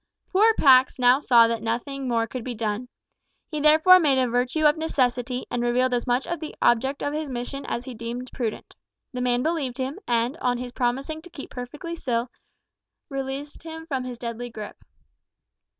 Poor Pax now saw that nothing more could be done. He therefore made a virtue of necessity, and revealed as much of the object of his mission as he deemed prudent. The man believed him, and, on his promising to keep perfectly still, released him from his deadly grip.